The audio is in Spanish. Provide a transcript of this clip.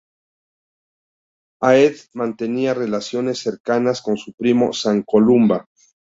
Áed mantenía relaciones cercanas con su primo San Columba.